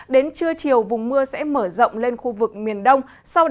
đến trưa chiều vùng mưa sẽ mở rộng lên khu vực miền đông